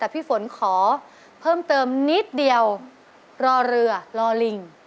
แต่พี่ฝนขอเพิ่มเติมนิดเดียวรอเรือรอลิง